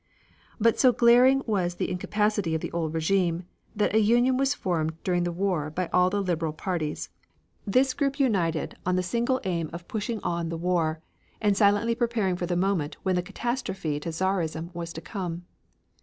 But so glaring was the incapacity of the old regime, that a union was formed during the war by all the Liberal parties. This group united on the single aim of pushing on the war, and silently preparing for the moment when the catastrophe to Czarism was to come.